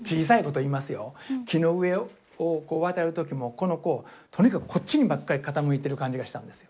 木の上を渡る時もこの子とにかくこっちにばっかり傾いてる感じがしたんですよ